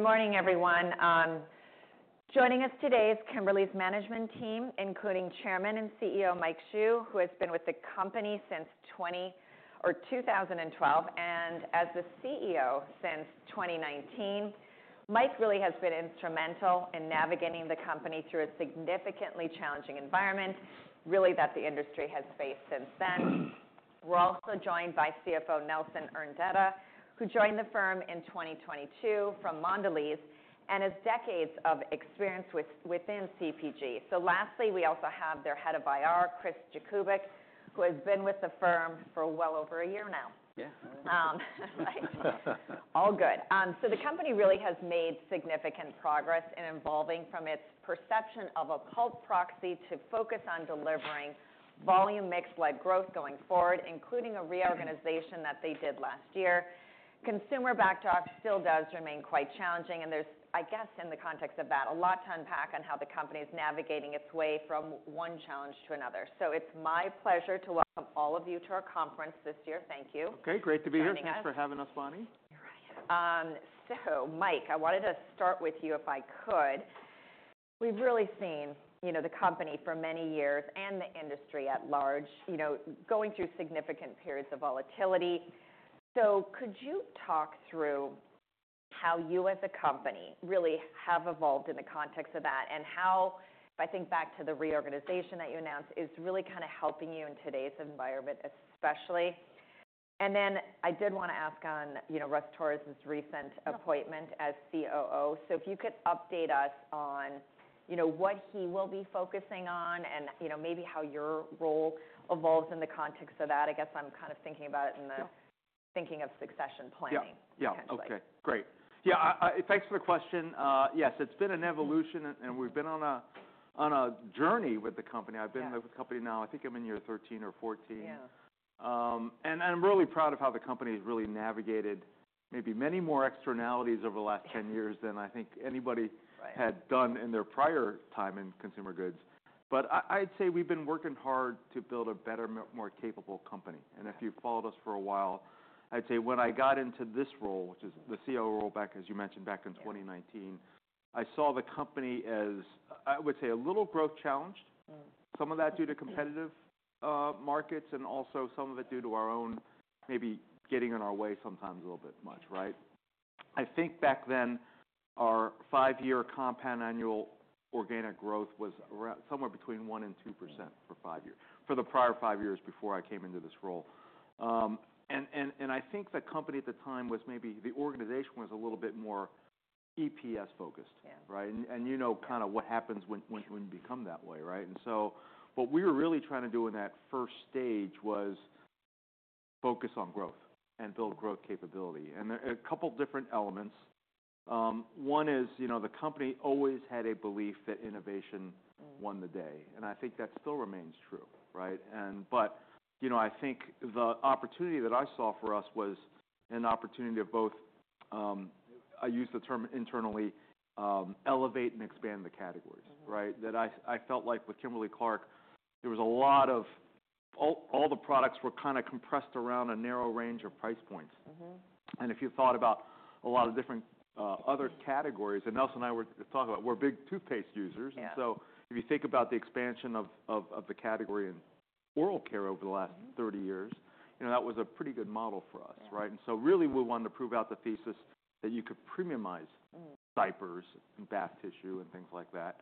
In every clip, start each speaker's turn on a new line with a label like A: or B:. A: Good morning, everyone. Joining us today is Kimberly's management team, including Chairman and CEO Mike Hsu, who has been with the company since 2012 and as the CEO since 2019. Mike really has been instrumental in navigating the company through a significantly challenging environment, really that the industry has faced since then. We're also joined by CFO Nelson Urdaneta, who joined the firm in 2022 from Mondelēz and has decades of experience within CPG. Lastly, we also have their Head of IR, Chris Jakubik, who has been with the firm for well over a year now.
B: Yeah.
A: The company really has made significant progress in evolving from its perception of a cult proxy to focus on delivering volume mixed-led growth going forward, including a reorganization that they did last year. Consumer backdrop still does remain quite challenging, and there's, I guess, in the context of that, a lot to unpack on how the company is navigating its way from one challenge to another. It's my pleasure to welcome all of you to our conference this year. Thank you.
B: Okay. Great to be here. Thanks for having us, Bonnie.
A: Mike, I wanted to start with you if I could. We've really seen the company for many years and the industry at large going through significant periods of volatility. Could you talk through how you as a company really have evolved in the context of that and how, if I think back to the reorganization that you announced, is really kind of helping you in today's environment, especially? I did want to ask on Russ Torres' recent appointment as COO. If you could update us on what he will be focusing on and maybe how your role evolves in the context of that. I guess I'm kind of thinking about it in the thinking of succession planning kind of way.
B: Yeah. Okay. Great. Yeah. Thanks for the question. Yes, it's been an evolution, and we've been on a journey with the company. I've been with the company now, I think I'm in year 13 or 14. I'm really proud of how the company has really navigated maybe many more externalities over the last 10 years than I think anybody had done in their prior time in consumer goods. I'd say we've been working hard to build a better, more capable company. If you've followed us for a while, I'd say when I got into this role, which is the COO role, as you mentioned, back in 2019, I saw the company as, I would say, a little growth challenged, some of that due to competitive markets and also some of it due to our own maybe getting in our way sometimes a little bit much, right? I think back then our five-year compound annual organic growth was somewhere between 1% and 2% for the prior five years before I came into this role. I think the company at the time was maybe the organization was a little bit more EPS-focused, right? You know kind of what happens when you become that way, right? What we were really trying to do in that first stage was focus on growth and build growth capability. A couple of different elements. One is the company always had a belief that innovation won the day. I think that still remains true, right? I think the opportunity that I saw for us was an opportunity of both, I use the term internally, elevate and expand the categories, right? I felt like with Kimberly-Clark, there was a lot of all the products were kind of compressed around a narrow range of price points. If you thought about a lot of different other categories, and Nelson and I were talking about, we're big toothpaste users. If you think about the expansion of the category in oral care over the last 30 years, that was a pretty good model for us, right? Really we wanted to prove out the thesis that you could premiumize diapers and back tissue and things like that.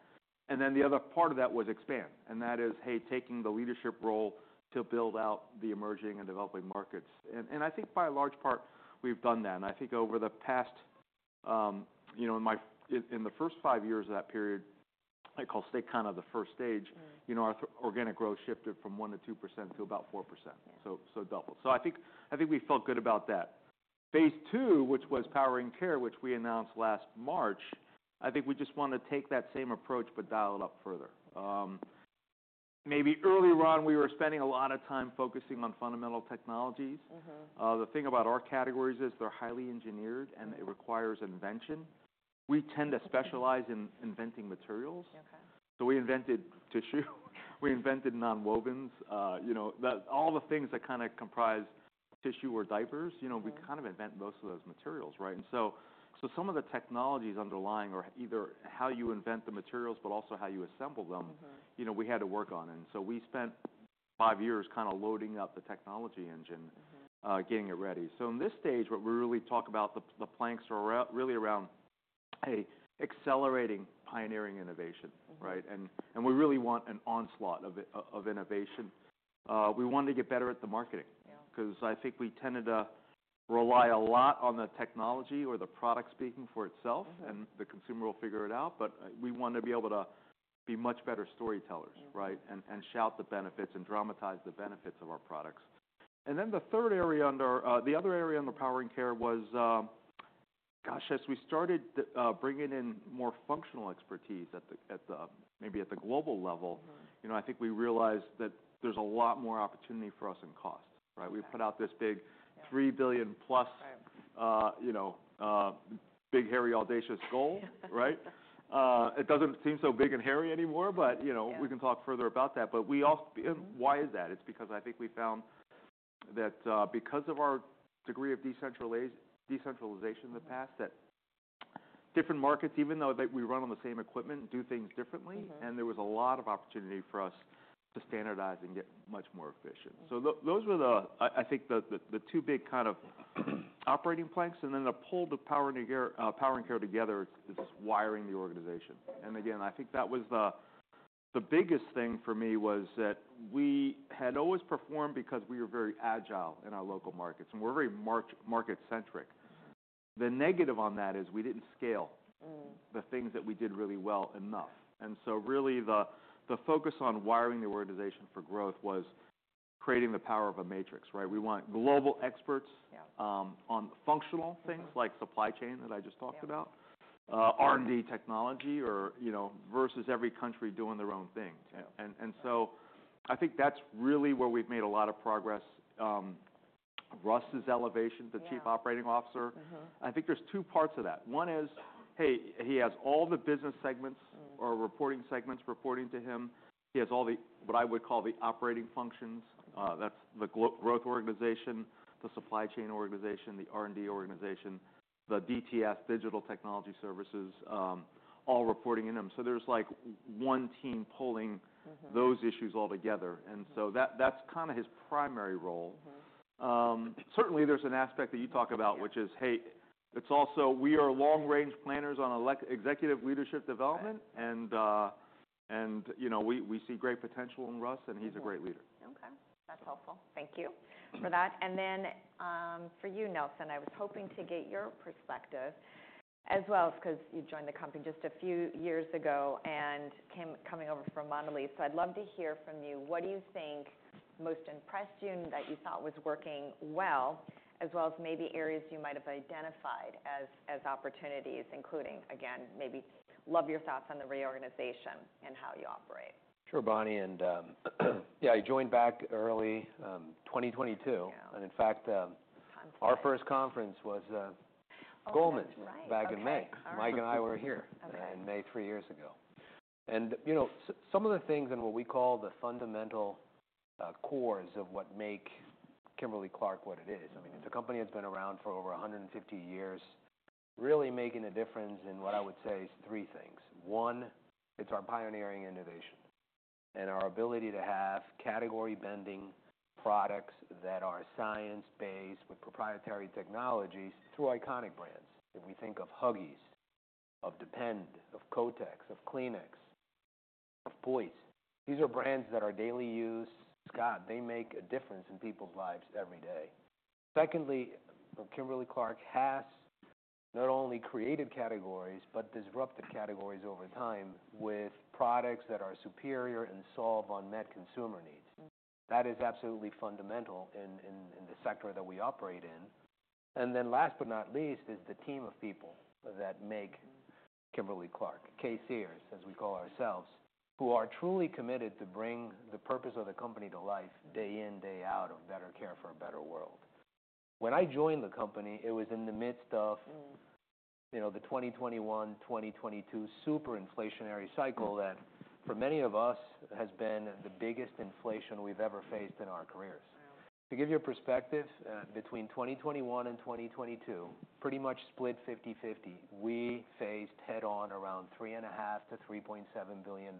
B: The other part of that was expand. That is, hey, taking the leadership role to build out the emerging and developing markets. I think by a large part we've done that. I think over the past, in the first five years of that period, I call stay kind of the first stage, our organic growth shifted from 1%-2% to about 4%. So doubled. I think we felt good about that. Phase two, which was powering care, which we announced last March, I think we just want to take that same approach but dial it up further. Maybe early on, we were spending a lot of time focusing on fundamental technologies. The thing about our categories is they're highly engineered and it requires invention. We tend to specialize in inventing materials. We invented tissue. We invented nonwovens. All the things that kind of comprise tissue or diapers, we kind of invent most of those materials, right? Some of the technologies underlying are either how you invent the materials, but also how you assemble them, we had to work on. We spent five years kind of loading up the technology engine, getting it ready. In this stage, what we really talk about, the planks are really around accelerating pioneering innovation, right? We really want an onslaught of innovation. We want to get better at the marketing because I think we tended to rely a lot on the technology or the product speaking for itself, and the consumer will figure it out. We want to be able to be much better storytellers, right, and shout the benefits and dramatize the benefits of our products. The third area under the other area under powering care was, gosh, as we started bringing in more functional expertise at maybe at the global level, I think we realized that there is a lot more opportunity for us in cost, right? We put out this big $3 billion plus big hairy audacious goal, right? It does not seem so big and hairy anymore, but we can talk further about that. Why is that? It is because I think we found that because of our degree of decentralization in the past, different markets, even though we run on the same equipment, do things differently. There was a lot of opportunity for us to standardize and get much more efficient. Those were, I think, the two big kind of operating planks. To pull the powering care together is wiring the organization. I think that was the biggest thing for me was that we had always performed because we were very agile in our local markets. We are very market-centric. The negative on that is we did not scale the things that we did really well enough. Really the focus on wiring the organization for growth was creating the power of a matrix, right? We want global experts on functional things like supply chain that I just talked about, R&D technology versus every country doing their own thing. I think that is really where we have made a lot of progress. Russ's elevation to Chief Operating Officer, I think there are two parts of that. One is, hey, he has all the business segments or reporting segments reporting to him. He has all the what I would call the operating functions. That's the growth organization, the supply chain organization, the R&D organization, the DTS, Digital Technology Services, all reporting in them. There is like one team pulling those issues all together. That is kind of his primary role. Certainly, there is an aspect that you talk about, which is, hey, it is also we are long-range planners on executive leadership development. We see great potential in Russ, and he is a great leader.
A: Okay. That's helpful. Thank you for that. For you, Nelson, I was hoping to get your perspective as well because you joined the company just a few years ago and coming over from Mondelēz I'd love to hear from you. What do you think most impressed you and that you thought was working well, as well as maybe areas you might have identified as opportunities, including, again, maybe love your thoughts on the reorganization and how you operate?
C: Sure, Bonnie. Yeah, I joined back early 2022. In fact, our first conference was Goldman's back in May. Mike and I were here in May three years ago. Some of the things and what we call the fundamental cores of what make Kimberly-Clark what it is. I mean, it's a company that's been around for over 150 years, really making a difference in what I would say is three things. One, it's our pioneering innovation and our ability to have category-bending products that are science-based with proprietary technologies through iconic brands. If we think of Huggies, of Depend, of Kotex, of Kleenex, of Poise, these are brands that are daily use. God, they make a difference in people's lives every day. Secondly, Kimberly-Clark has not only created categories but disrupted categories over time with products that are superior and solve unmet consumer needs. That is absolutely fundamental in the sector that we operate in. Last but not least is the team of people that make Kimberly-Clark, K-Cers, as we call ourselves, who are truly committed to bring the purpose of the company to life day in, day out of better care for a better world. When I joined the company, it was in the midst of the 2021, 2022 super inflationary cycle that for many of us has been the biggest inflation we have ever faced in our careers. To give you a perspective, between 2021 and 2022, pretty much split 50/50, we faced head-on around $3.5 billion-$3.7 billion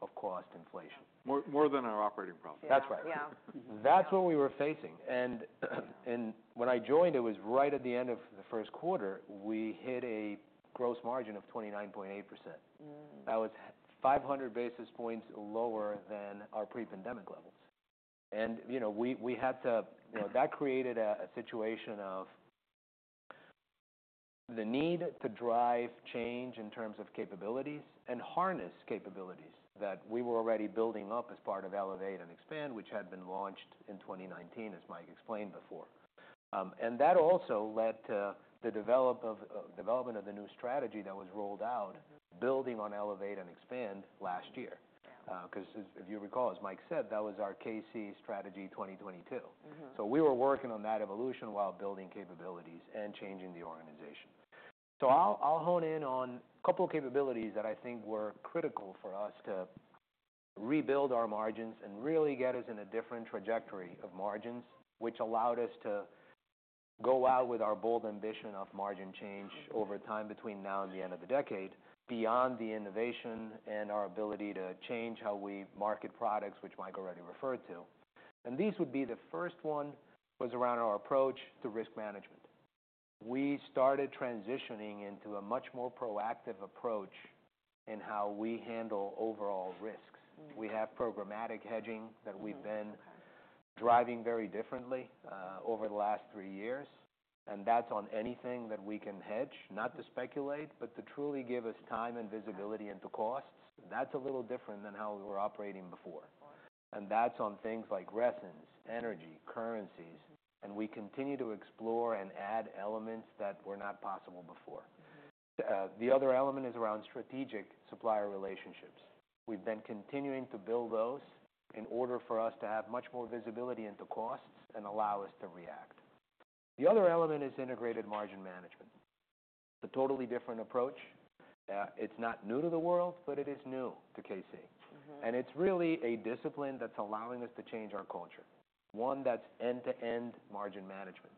C: of cost inflation. More than our operating profit. That is right. That is what we were facing. When I joined, it was right at the end of the first quarter, we hit a gross margin of 29.8%. That was 500 basis points lower than our pre-pandemic levels. We had to, that created a situation of the need to drive change in terms of capabilities and harness capabilities that we were already building up as part of Elevate and Expand, which had been launched in 2019, as Mike explained before. That also led to the development of the new strategy that was rolled out, building on Elevate and Expand last year. If you recall, as Mike said, that was our K-C strategy 2022. We were working on that evolution while building capabilities and changing the organization. I'll hone in on a couple of capabilities that I think were critical for us to rebuild our margins and really get us in a different trajectory of margins, which allowed us to go out with our bold ambition of margin change over time between now and the end of the decade beyond the innovation and our ability to change how we market products, which Mike already referred to. These would be the first one was around our approach to risk management. We started transitioning into a much more proactive approach in how we handle overall risks. We have programmatic hedging that we've been driving very differently over the last three years. That's on anything that we can hedge, not to speculate, but to truly give us time and visibility into costs. That's a little different than how we were operating before. That's on things like resins, energy, currencies. We continue to explore and add elements that were not possible before. The other element is around strategic supplier relationships. We have been continuing to build those in order for us to have much more visibility into costs and allow us to react. The other element is integrated margin management. It is a totally different approach. It is not new to the world, but it is new to K-C. It is really a discipline that is allowing us to change our culture, one that is end-to-end margin management.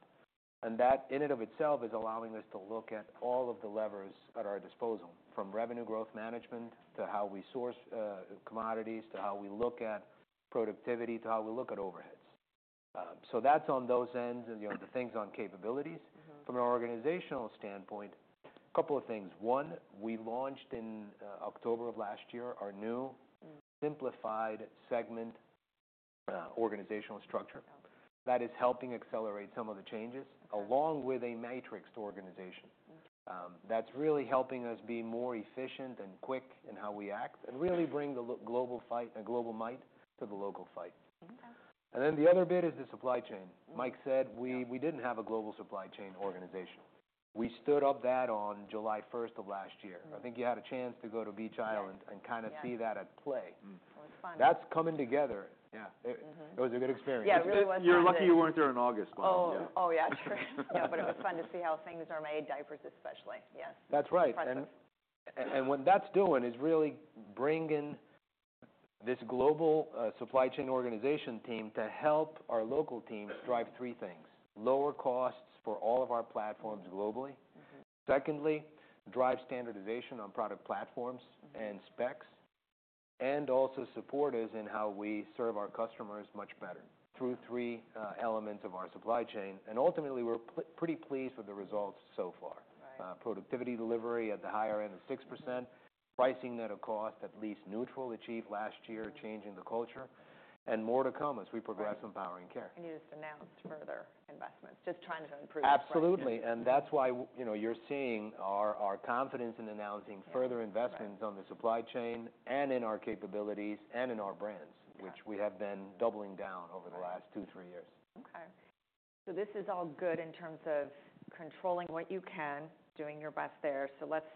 C: That in and of itself is allowing us to look at all of the levers at our disposal, from revenue growth management to how we source commodities, to how we look at productivity, to how we look at overheads. That is on those ends and the things on capabilities. From an organizational standpoint, a couple of things. One, we launched in October of last year our new simplified segment organizational structure that is helping accelerate some of the changes along with a matrixed organization. That is really helping us be more efficient and quick in how we act and really bring the global fight and global might to the local fight. The other bit is the supply chain. Mike said we did not have a global supply chain organization. We stood up that on July 1 of last year. I think you had a chance to go to Beech Island and kind of see that at play. That is coming together. Yeah. It was a good experience. You are lucky you were not there in August, Bonnie.
A: Oh, yeah. Yeah. It was fun to see how things are made, diapers especially. Yes.
C: That's right. What that's doing is really bringing this global supply chain organization team to help our local teams drive three things: lower costs for all of our platforms globally, drive standardization on product platforms and specs, and also support us in how we serve our customers much better through three elements of our supply chain. Ultimately, we're pretty pleased with the results so far. Productivity delivery at the higher end of 6%, pricing that a cost at least neutral achieved last year, changing the culture, and more to come as we progress in powering care.
A: You just announced further investments, just trying to improve the.
C: Absolutely. That is why you're seeing our confidence in announcing further investments on the supply chain and in our capabilities and in our brands, which we have been doubling down over the last two, three years.
A: Okay. This is all good in terms of controlling what you can, doing your best there. Let's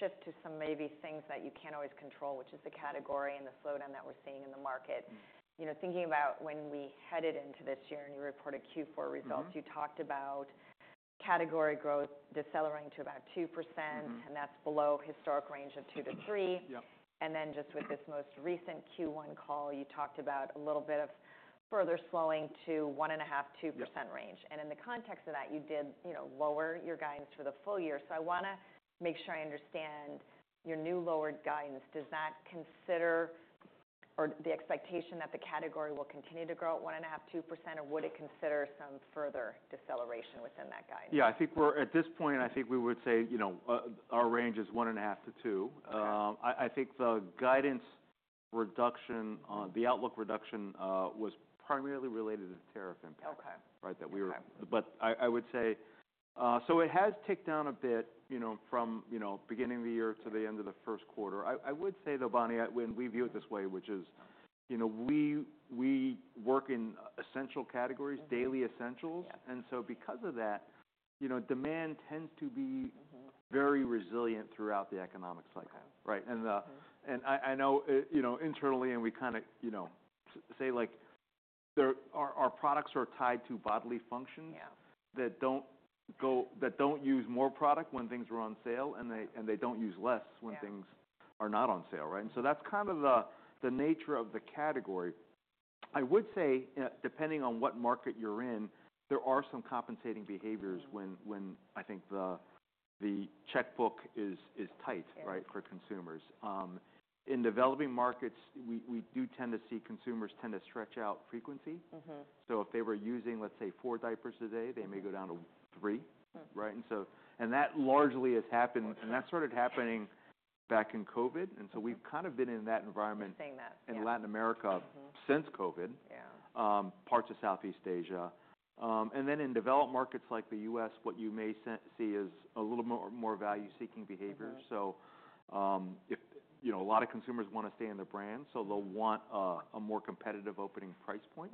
A: shift to some maybe things that you can't always control, which is the category and the slowdown that we're seeing in the market. Thinking about when we headed into this year and you reported Q4 results, you talked about category growth decelerating to about 2%, and that's below the historic range of 2%-3%. Then just with this most recent Q1 call, you talked about a little bit of further slowing to 1.5%-2% range. In the context of that, you did lower your guidance for the full year. I want to make sure I understand your new lowered guidance. Does that consider or the expectation that the category will continue to grow at 1.5%-2%, or would it consider some further deceleration within that guidance?
B: Yeah. I think we're at this point, I think we would say our range is 1.5%-2%. I think the guidance reduction, the outlook reduction was primarily related to the tariff impact, right? I would say it has ticked down a bit from beginning of the year to the end of the first quarter. I would say, though, Bonnie, when we view it this way, which is we work in essential categories, daily essentials. Because of that, demand tends to be very resilient throughout the economic cycle, right? I know internally, and we kind of say our products are tied to bodily functions that do not use more product when things are on sale, and they do not use less when things are not on sale, right? That is kind of the nature of the category. I would say, depending on what market you're in, there are some compensating behaviors when I think the checkbook is tight, right, for consumers. In developing markets, we do tend to see consumers tend to stretch out frequency. If they were using, let's say, four diapers a day, they may go down to three, right? That largely has happened, and that started happening back in COVID. We have kind of been in that environment in Latin America since COVID, parts of Southeast Asia. In developed markets like the U.S., what you may see is a little more value-seeking behavior. A lot of consumers want to stay in their brand, so they'll want a more competitive opening price point.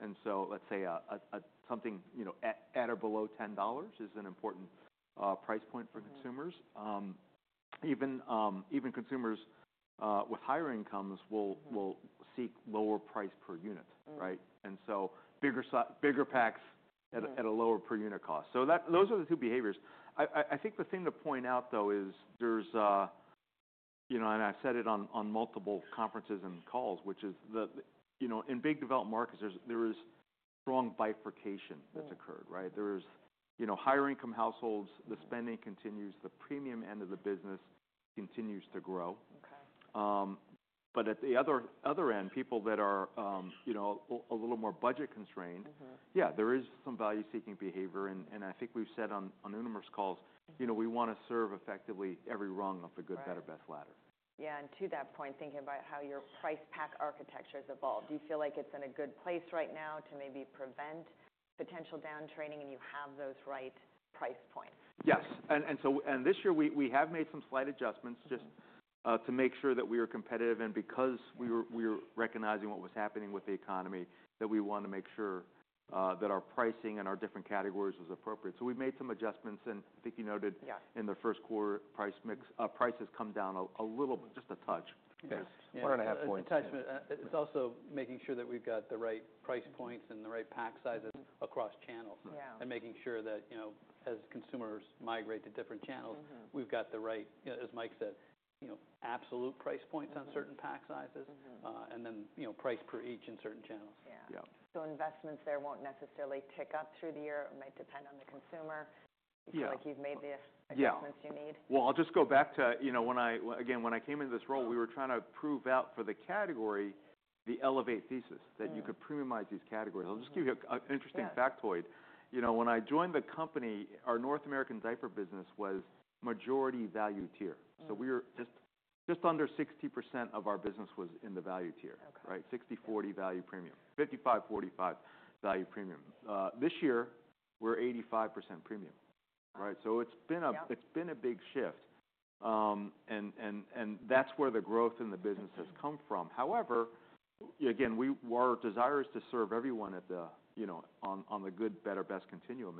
B: Let's say something at or below $10 is an important price point for consumers. Even consumers with higher incomes will seek lower price per unit, right? Bigger packs at a lower per unit cost. Those are the two behaviors. I think the thing to point out, though, is there's, and I've said it on multiple conferences and calls, which is in big developed markets, there is strong bifurcation that's occurred, right? There is higher income households, the spending continues, the premium end of the business continues to grow. At the other end, people that are a little more budget constrained, yeah, there is some value-seeking behavior. I think we've said on numerous calls, we want to serve effectively every rung of the good, better, best ladder.
A: Yeah. To that point, thinking about how your price pack architecture has evolved, do you feel like it's in a good place right now to maybe prevent potential downtrading and you have those right price points?
B: Yes. This year, we have made some slight adjustments just to make sure that we are competitive. Because we were recognizing what was happening with the economy, we want to make sure that our pricing and our different categories was appropriate. We have made some adjustments. I think you noted in the first quarter, prices come down a little bit, just a touch, just 1.5 points.
C: It's also making sure that we've got the right price points and the right pack sizes across channels and making sure that as consumers migrate to different channels, we've got the right, as Mike said, absolute price points on certain pack sizes and then price per each in certain channels.
A: Investments there won't necessarily tick up through the year. It might depend on the consumer. You feel like you've made the adjustments you need?
B: Yeah. I'll just go back to, again, when I came into this role, we were trying to prove out for the category the Elevate thesis that you could premiumize these categories. I'll just give you an interesting factoid. When I joined the company, our North American diaper business was majority value tier. Just under 60% of our business was in the value tier, right? 60/40 value premium, 55/45 value premium. This year, we're 85% premium, right? It's been a big shift. That's where the growth in the business has come from. However, again, our desire is to serve everyone on the good, better, best continuum.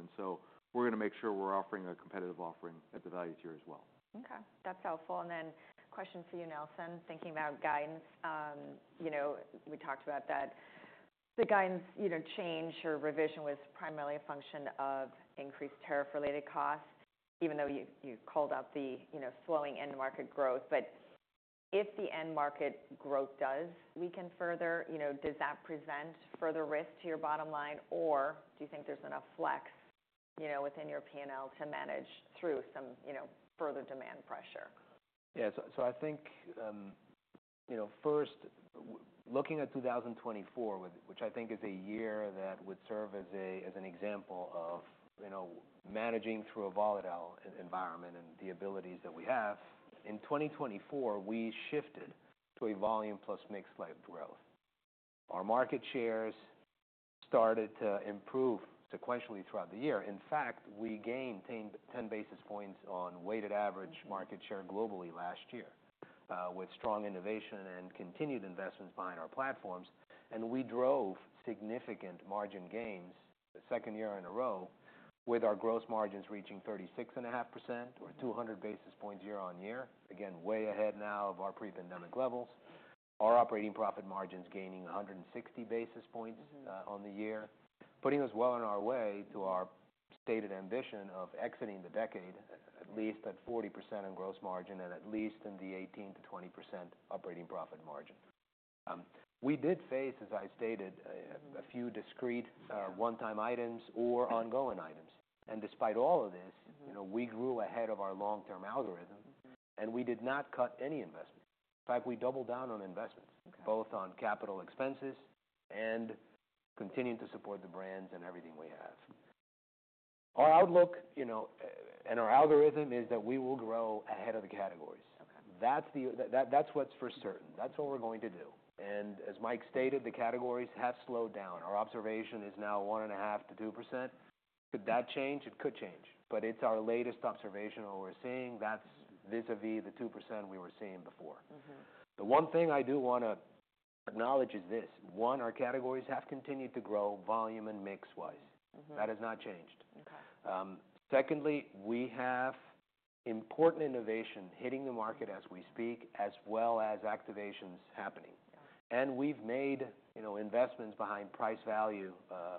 B: We're going to make sure we're offering a competitive offering at the value tier as well.
A: Okay. That's helpful. Then question for you, Nelson, thinking about guidance. We talked about that the guidance change or revision was primarily a function of increased tariff-related costs, even though you called out the slowing end market growth. If the end market growth does weaken further, does that present further risk to your bottom line, or do you think there's enough flex within your P&L to manage through some further demand pressure?
C: Yeah. I think first, looking at 2024, which I think is a year that would serve as an example of managing through a volatile environment and the abilities that we have, in 2024, we shifted to a volume plus mixed-type growth. Our market shares started to improve sequentially throughout the year. In fact, we gained 10 basis points on weighted average market share globally last year with strong innovation and continued investments behind our platforms. We drove significant margin gains the second year in a row, with our gross margins reaching 36.5% or 200 basis points year on year, again, way ahead now of our pre-pandemic levels. Our operating profit margins gaining 160 basis points on the year, putting us well on our way to our stated ambition of exiting the decade, at least at 40% in gross margin and at least in the 18%-20% operating profit margin. We did face, as I stated, a few discrete one-time items or ongoing items. Despite all of this, we grew ahead of our long-term algorithm, and we did not cut any investments. In fact, we doubled down on investments, both on capital expenses and continuing to support the brands and everything we have. Our outlook and our algorithm is that we will grow ahead of the categories. That is what's for certain. That is what we're going to do. As Mike stated, the categories have slowed down. Our observation is now 1.5%-2%. Could that change? It could change. It is our latest observation or we are seeing that is vis-à-vis the 2% we were seeing before. The one thing I do want to acknowledge is this. One, our categories have continued to grow volume and mix-wise. That has not changed. Secondly, we have important innovation hitting the market as we speak, as well as activations happening. We have made investments behind price value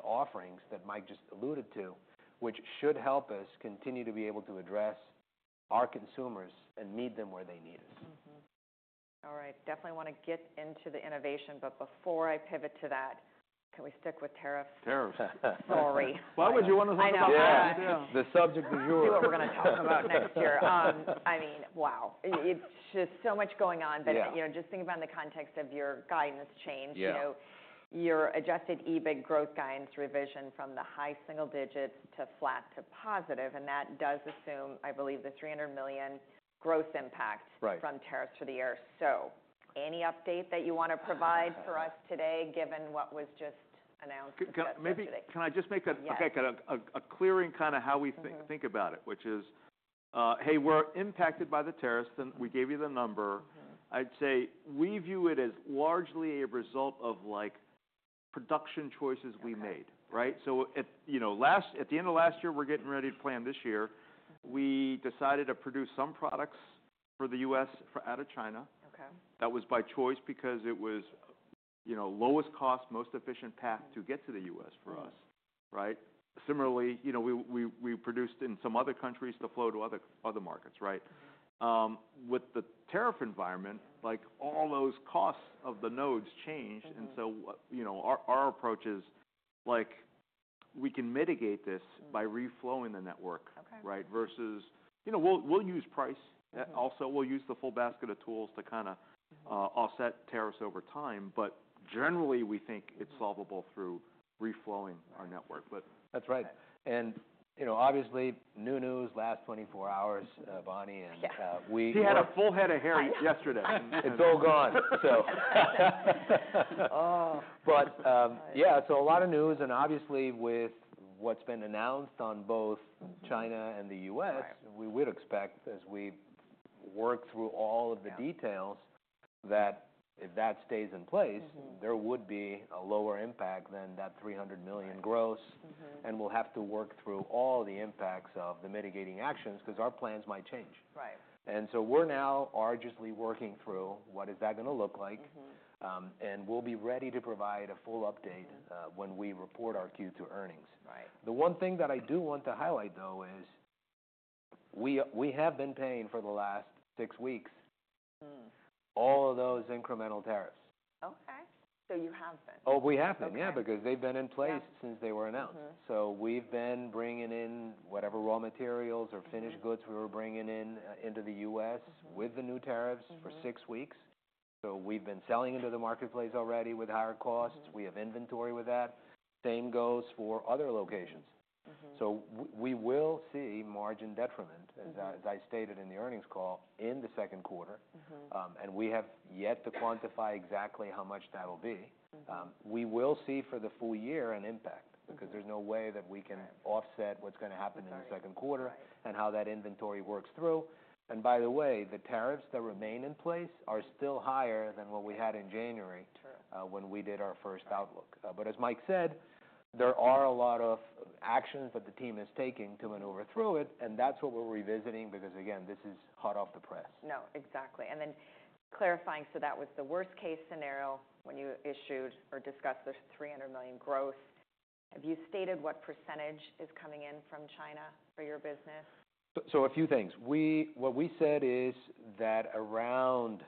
C: offerings that Mike just alluded to, which should help us continue to be able to address our consumers and meet them where they need us.
A: All right. Definitely want to get into the innovation. Before I pivot to that, can we stick with tariffs?
B: Tariffs.
A: Sorry.
B: Why would you want us to talk about that?
D: The subject is yours.
A: What we're going to talk about next year. I mean, wow. It's just so much going on. Just thinking about in the context of your guidance change, your adjusted EBITDA growth guidance revision from the high single digits to flat to positive. That does assume, I believe, the $300 million gross impact from tariffs for the year. Any update that you want to provide for us today, given what was just announced yesterday?
B: Can I just make a clearing kind of how we think about it, which is, hey, we're impacted by the tariffs. We gave you the number. I'd say we view it as largely a result of production choices we made, right? At the end of last year, we're getting ready to plan this year. We decided to produce some products for the U.S. out of China. That was by choice because it was lowest cost, most efficient path to get to the U.S. for us, right? Similarly, we produced in some other countries to flow to other markets, right? With the tariff environment, all those costs of the nodes changed. Our approach is we can mitigate this by reflowing the network, right? Versus we'll use price. Also, we'll use the full basket of tools to kind of offset tariffs over time. Generally, we think it's solvable through reflowing our network.
C: That's right. Obviously, new news last 24 hours, Bonnie, and we.
B: He had a full head of hair yesterday.
C: It is all gone, so. Yeah, a lot of news. Obviously, with what has been announced on both China and the U.S., we would expect, as we work through all of the details, that if that stays in place, there would be a lower impact than that $300 million gross. We will have to work through all the impacts of the mitigating actions because our plans might change. We are now arguably working through what that is going to look like. We will be ready to provide a full update when we report our Q2 earnings. The one thing that I do want to highlight, though, is we have been paying for the last six weeks all of those incremental tariffs.
A: Okay. So you have been.
C: Oh, we have been. Yeah, because they've been in place since they were announced. We have been bringing in whatever raw materials or finished goods we were bringing into the U.S. with the new tariffs for six weeks. We have been selling into the marketplace already with higher costs. We have inventory with that. Same goes for other locations. We will see margin detriment, as I stated in the earnings call in the second quarter. We have yet to quantify exactly how much that will be. We will see for the full year an impact because there is no way that we can offset what is going to happen in the second quarter and how that inventory works through. By the way, the tariffs that remain in place are still higher than what we had in January when we did our first outlook. As Mike said, there are a lot of actions that the team is taking to maneuver through it. That is what we are revisiting because, again, this is hot off the press.
A: No, exactly. And then clarifying, so that was the worst-case scenario when you issued or discussed the $300 million gross. Have you stated what % is coming in from China for your business?
C: A few things. What we said is that around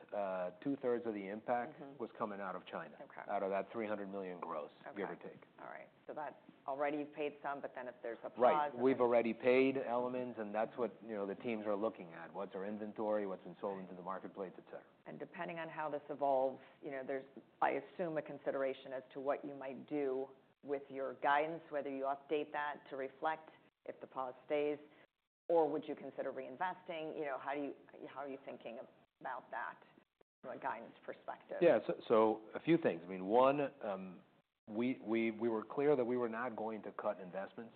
C: two-thirds of the impact was coming out of China, out of that $300 million gross, give or take.
A: All right. So that's already paid some, but then if there's a pause.
C: Right. We've already paid elements, and that's what the teams are looking at. What's our inventory? What's been sold into the marketplace, etc.?
A: Depending on how this evolves, there's, I assume, a consideration as to what you might do with your guidance, whether you update that to reflect if the pause stays, or would you consider reinvesting? How are you thinking about that from a guidance perspective?
C: Yeah. So a few things. I mean, one, we were clear that we were not going to cut investments.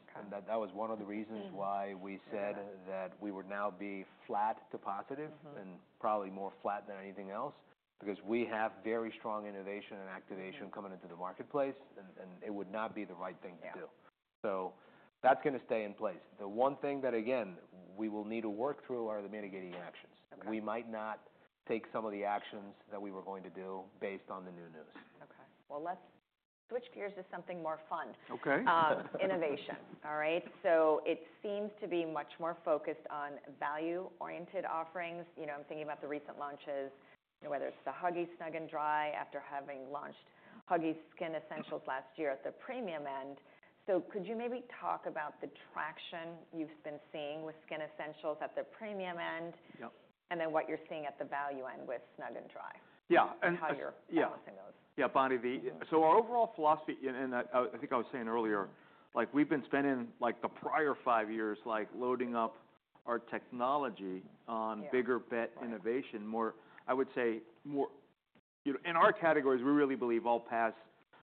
C: That was one of the reasons why we said that we would now be flat to positive and probably more flat than anything else because we have very strong innovation and activation coming into the marketplace, and it would not be the right thing to do. That is going to stay in place. The one thing that, again, we will need to work through are the mitigating actions. We might not take some of the actions that we were going to do based on the new news.
A: Okay. Let's switch gears to something more fun. Innovation, all right? It seems to be much more focused on value-oriented offerings. I'm thinking about the recent launches, whether it's the Huggies Snug & Dry after having launched Huggies Skin Essentials last year at the premium end. Could you maybe talk about the traction you've been seeing with Skin Essentials at the premium end and then what you're seeing at the value end with Snug & Dry?
B: Yeah.
A: How you're balancing those?
B: Yeah, Bonnie, our overall philosophy, and I think I was saying earlier, we've been spending the prior five years loading up our technology on bigger bet innovation, I would say more. In our categories, we really believe all paths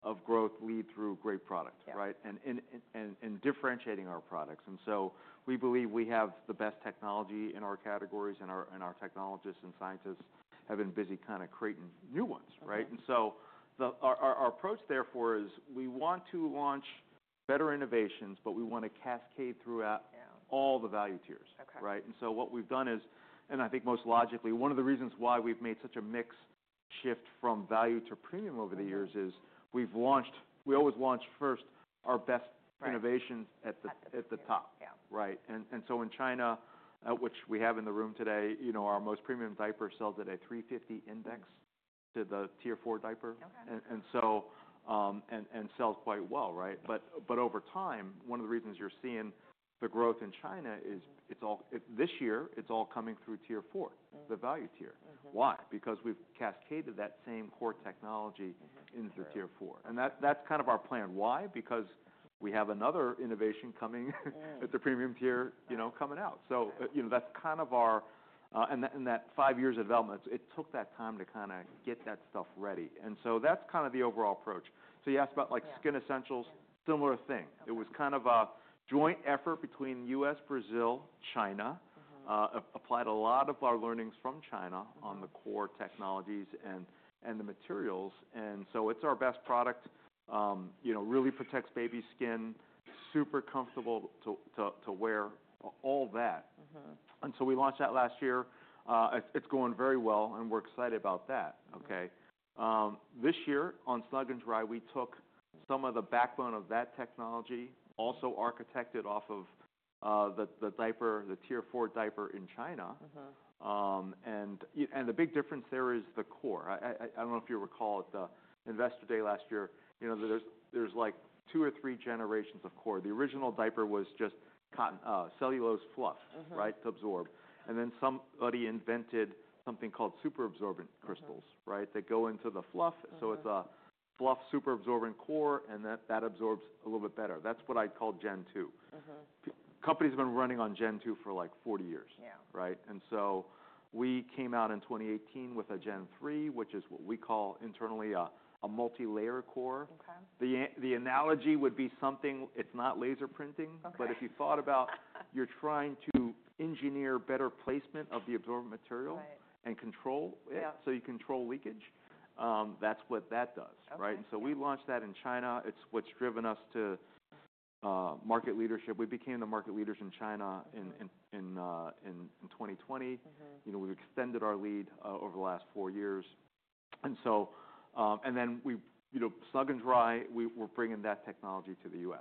B: of growth lead through great products, right, and differentiating our products. We believe we have the best technology in our categories, and our technologists and scientists have been busy kind of creating new ones, right? Our approach therefore is we want to launch better innovations, but we want to cascade throughout all the value tiers, right? What we've done is, and I think most logically, one of the reasons why we've made such a mixed shift from value to premium over the years is we've launched, we always launch first our best innovations at the top, right? In China, which we have in the room today, our most premium diaper sells at a 350 index to the tier four diaper. It sells quite well, right? Over time, one of the reasons you are seeing the growth in China is this year, it is all coming through tier four, the value tier. Why? We have cascaded that same core technology into the tier four. That is kind of our plan. Why? We have another innovation coming at the premium tier coming out. That five years of development, it took that time to get that stuff ready. That is the overall approach. You asked about Skin Essentials, similar thing. It was kind of a joint effort between the U.S., Brazil, China, applied a lot of our learnings from China on the core technologies and the materials. It is our best product, really protects baby skin, super comfortable to wear, all that. We launched that last year. It is going very well, and we are excited about that, okay? This year on Snug & Dry, we took some of the backbone of that technology, also architected off of the diaper, the tier four diaper in China. The big difference there is the core. I do not know if you recall at the Investor Day last year, there are two or three generations of core. The original diaper was just cellulose fluff, right, to absorb. Then somebody invented something called super absorbent crystals, right, that go into the fluff. It's a fluff super absorbent core, and that absorbs a little bit better. That's what I'd call Gen 2. Companies have been running on Gen 2 for like 40 years, right? We came out in 2018 with a Gen 3, which is what we call internally a multi-layer core. The analogy would be something, it's not laser printing, but if you thought about you're trying to engineer better placement of the absorbent material and control it so you control leakage, that's what that does, right? We launched that in China. It's what's driven us to market leadership. We became the market leaders in China in 2020. We've extended our lead over the last four years. Snug & Dry, we're bringing that technology to the U.S..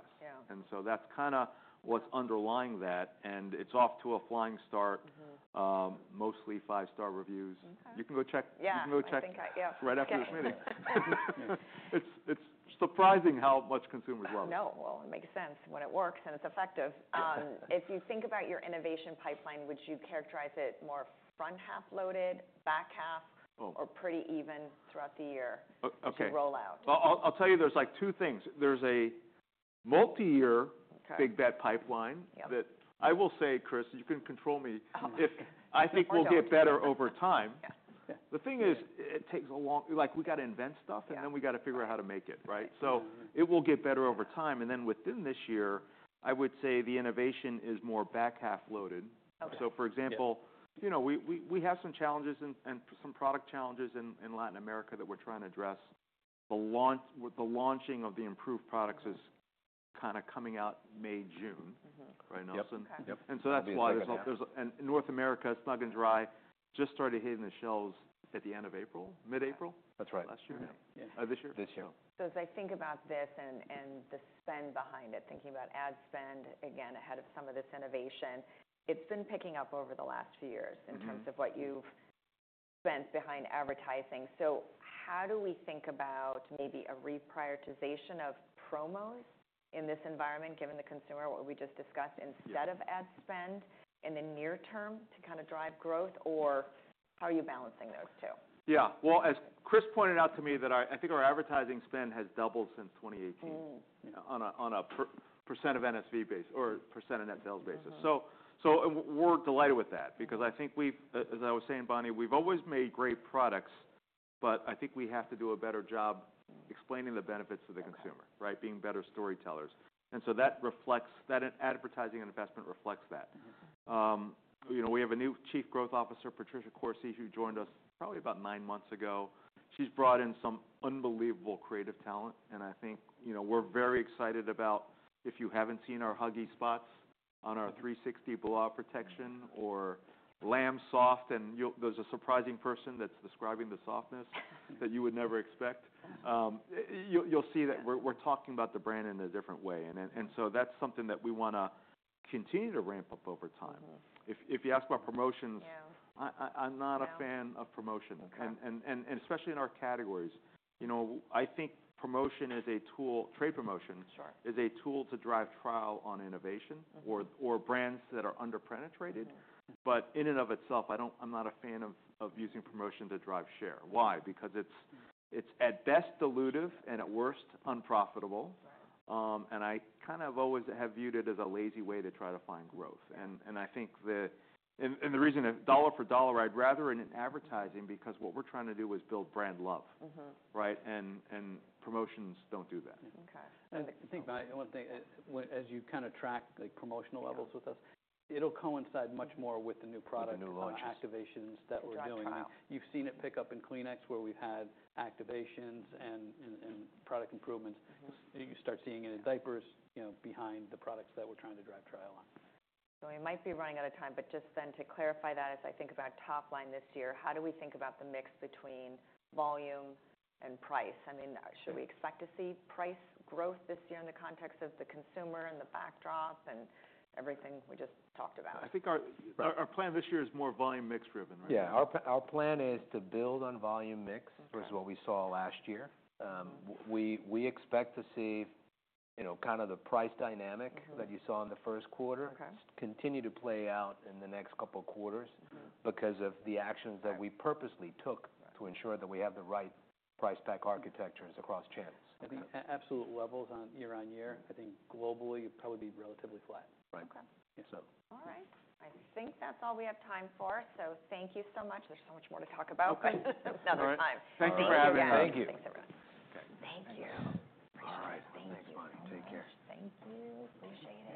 B: That's kind of what's underlying that. It's off to a flying start, mostly five-star reviews. You can go check.
A: Yeah, I think I, yeah.
B: Right after this meeting. It's surprising how much consumers love it.
A: I know. It makes sense when it works and it's effective. If you think about your innovation pipeline, would you characterize it more front half loaded, back half, or pretty even throughout the year to roll out?
B: I'll tell you, there's two things. There's a multi-year big bet pipeline that I will say, Chris, you can control me. I think we'll get better over time. The thing is, it takes a long—we got to invent stuff, and then we got to figure out how to make it, right? It will get better over time. Within this year, I would say the innovation is more back half loaded. For example, we have some challenges and some product challenges in Latin America that we're trying to address. The launching of the improved products is kind of coming out May, June, right? That's why there's a North America, Snug & Dry just started hitting the shelves at the end of April, mid-April last year.
D: That's right.
B: This year.
D: This year.
A: As I think about this and the spend behind it, thinking about ad spend, again, ahead of some of this innovation, it's been picking up over the last few years in terms of what you've spent behind advertising. How do we think about maybe a reprioritization of promos in this environment, given the consumer, what we just discussed, instead of ad spend in the near term to kind of drive growth? How are you balancing those two?
B: Yeah. As Chris pointed out to me, I think our advertising spend has doubled since 2018 on a percent of NSV base or percent of net sales basis. We are delighted with that because I think we have, as I was saying, Bonnie, we have always made great products, but I think we have to do a better job explaining the benefits to the consumer, right, being better storytellers. That advertising investment reflects that. We have a new Chief Growth Officer, Patricia Corsi, who joined us probably about nine months ago. She has brought in some unbelievable creative talent. I think we are very excited about if you have not seen our Huggies spots on our 360 blowout protection or lamb soft. There is a surprising person that is describing the softness that you would never expect. You will see that we are talking about the brand in a different way. That is something that we want to continue to ramp up over time. If you ask about promotions, I'm not a fan of promotion, and especially in our categories. I think promotion is a tool, trade promotion is a tool to drive trial on innovation or brands that are under-penetrated. In and of itself, I'm not a fan of using promotion to drive share. Why? Because it is at best dilutive and at worst unprofitable. I kind of always have viewed it as a lazy way to try to find growth. The reason dollar for dollar, I'd rather invest in advertising is because what we're trying to do is build brand love, right? Promotions do not do that.
C: I think one thing, as you kind of track promotional levels with us, it'll coincide much more with the new product activations that we're doing. You've seen it pick up in Kleenex where we've had activations and product improvements. You start seeing it in diapers behind the products that we're trying to drive trial on.
A: We might be running out of time, but just then to clarify that as I think about top line this year, how do we think about the mix between volume and price? I mean, should we expect to see price growth this year in the context of the consumer and the backdrop and everything we just talked about?
D: I think our plan this year is more volume mix driven, right? Yeah. Our plan is to build on volume mix versus what we saw last year. We expect to see kind of the price dynamic that you saw in the first quarter continue to play out in the next couple of quarters because of the actions that we purposely took to ensure that we have the right price pack architectures across channels.
C: I think absolute levels on year on year, I think globally, it'd probably be relatively flat.
D: Right.
A: All right. I think that's all we have time for. Thank you so much. There's so much more to talk about, but another time.
B: Thank you for having me. Thank you.
A: Thanks, everyone. Thank you.
D: All right. Thanks, Bonnie. Take care.
A: Thank you. Appreciate it.